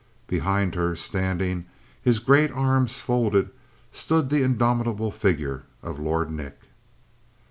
Behind her, standing, his great arms folded, stood the indomitable figure of Lord Nick.